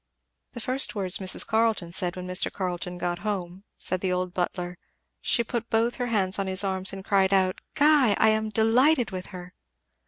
"The first words Mrs. Carleton said when Mr. Carleton got home," said the old butler, "she put both her hands on his arms and cried out, 'Guy, I am delighted with her!'"